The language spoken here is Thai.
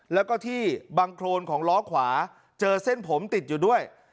แล้วก็ที่บังโครนของล้อขวาเจอเส้นผมติดอยู่ด้วย